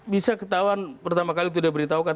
bisa ketahuan pertama kali itu sudah beritahukan